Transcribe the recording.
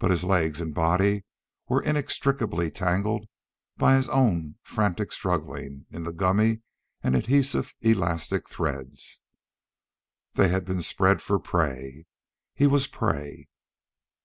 But his legs and body were inextricably tangled by his own frantic struggling in the gummy and adhesive elastic threads. They had been spread for prey. He was prey.